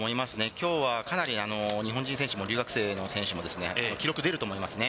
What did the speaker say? きょうはかなり日本人選手も、留学生の選手もですね、記録出ると思いますね。